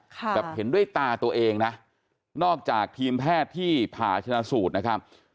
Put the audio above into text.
แบบเห็นด้วยตาตัวเองนะนอกจากทีมแพทย์ที่ผ่าชนะสูตรนะครับ